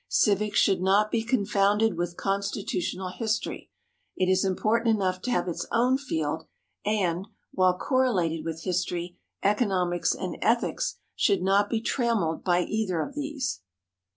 Civics should not be confounded with constitutional history. It is important enough to have its own field, and, while correlated with history, economics and ethics, should not be trammeled by either of these.